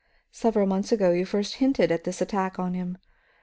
Several months ago you first hinted at this attack on him.